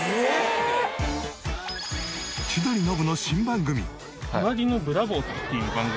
千鳥ノブの新番組。